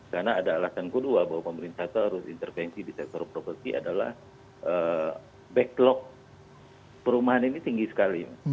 karena ada alasan kedua bahwa pemerintah harus intervensi di sektor properti adalah backlog perumahan ini tinggi sekali